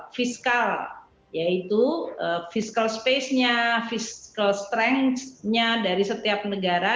fiskal yaitu fiskal space nya fiskal strength nya dari setiap negara